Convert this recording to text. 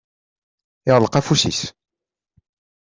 Iɣleq afus-is.